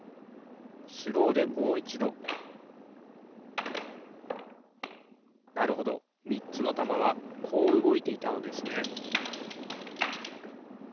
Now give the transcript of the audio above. スローでもういちどなるほどみっつのたまはこううごいていたのですね